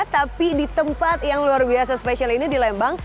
tapi di tempat yang luar biasa spesial ini di lembang